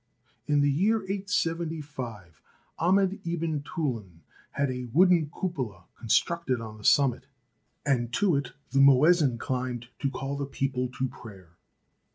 In the year 875 Ahmed ibn Tulun had a wooden cupola con structed on the summit, and to it the muezzin climbed to call the people to prayer.